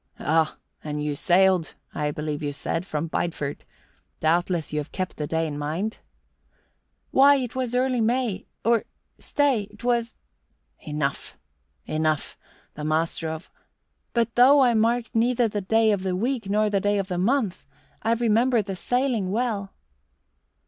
"Ah! And you sailed, I believe you said, from Bideford. Doubtless you have kept the day in mind?" "Why, 'twas in early May. Or stay! 'Twas " "Enough! Enough! The master of " "But though I marked neither the day of the week nor the day of the month, I remember the sailing well."